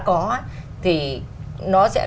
có thì nó sẽ